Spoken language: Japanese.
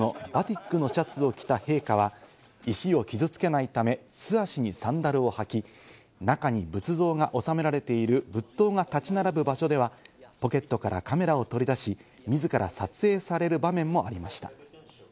ジャワ伝統の染め物・バティックのシャツを着た陛下は石を傷つけないため、素足にサンダルを履き、中に仏像がおさめられている仏塔が立ち並ぶ場所ではポケットからカメラを取り出し、自ら撮影される場面もありました。